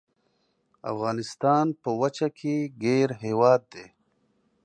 افغانستان په وچه کې ګیر هیواد دی.